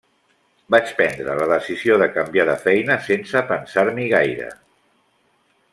Vaig prendre la decisió de canviar de feina sense pensar-m'hi gaire.